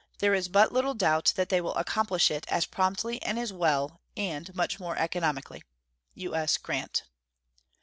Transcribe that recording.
There is but little doubt that they will accomplish it as promptly and as well, and much more economically. U.S. GRANT.